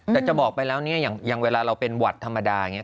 แต่จะบอกไปแล้วเนี่ยอย่างเวลาเราเป็นหวัดธรรมดาอย่างนี้